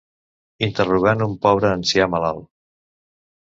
Interrogant un pobre ancià malalt.